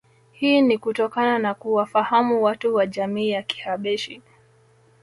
Hii ni kutokana na kuwafahamu watu wa jamii ya Kihabeshi